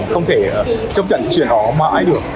không thể chấp nhận chuyện đó mãi được